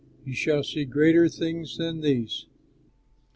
You shall see greater things than these!"